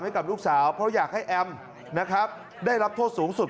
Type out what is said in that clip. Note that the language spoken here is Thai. ให้กับลูกสาวเพราะอยากให้แอมนะครับได้รับโทษสูงสุด